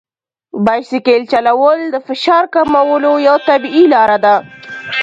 بایسکل چلول د فشار کمولو یوه طبیعي لار ده.